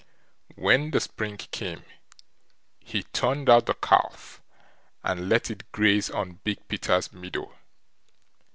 When the spring came he turned out the calf and let it graze on Big Peter's meadow.